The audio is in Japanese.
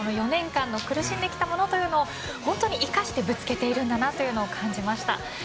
４年間の苦しんできたものを本当に生かしてぶつけているんだと感じました。